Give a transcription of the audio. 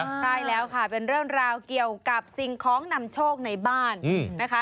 ใช่แล้วค่ะเป็นเรื่องราวเกี่ยวกับสิ่งของนำโชคในบ้านนะคะ